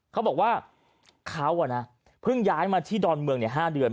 เขาบอกว่าเขาเพิ่งย้ายมาที่ดอนเมือง๕เดือน